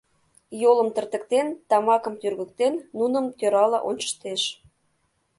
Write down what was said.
Йолым тыртыктен, тамакым тӱргыктен, нуным тӧрала ончыштеш.